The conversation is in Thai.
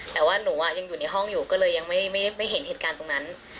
แต่ว่าหนูยังอยู่ในห้องอยู่ก็เลยยังไม่เห็นเหตุการณ์ตรงนั้น